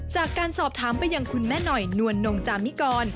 จากการสอบถามไปยังคุณแม่หน่อยนวลนงจามิกร